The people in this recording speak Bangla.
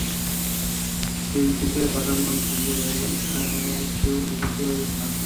সেই বৃষ্টিতে বাগানময় ঘুরিয়া বেড়াইলেন, কাহাকেও দেখিতে পাইলেন না।